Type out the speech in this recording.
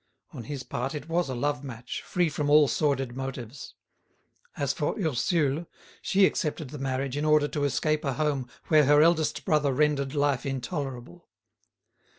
On his part it was a love match, free from all sordid motives. As for Ursule, she accepted the marriage in order to escape a home where her eldest brother rendered life intolerable.